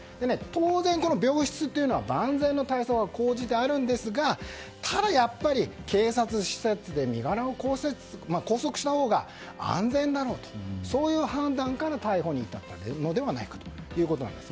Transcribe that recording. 当然、病室というのは万全の対策を講じていますがただ、やっぱり警察施設で身柄を拘束したほうが安全だろうと、そういう判断から逮捕に至ったのではないかということです。